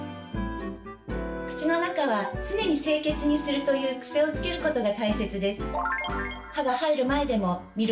「口の中は常に清潔にする」という癖をつけることが大切です。